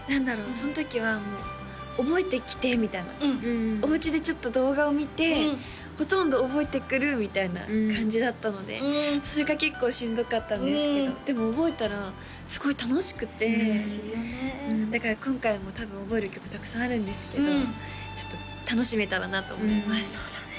その時は「覚えてきて」みたいなおうちでちょっと動画を見てほとんど覚えてくるみたいな感じだったのでそれが結構しんどかったんですけどでも覚えたらすごい楽しくて楽しいよねだから今回も多分覚える曲たくさんあるんですけど楽しめたらなと思いますそうだね